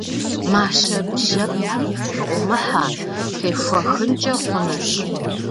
Мащэ бжьэпэм фыӏумыхьэ, фехуэхынкӏэ хъунущ.